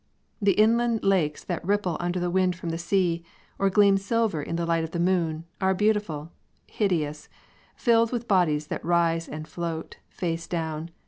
The inland lakes that ripple under the wind from the sea, or gleam silver in the light of the moon, are beautiful, hideous, filled with bodies that rise and float, face down.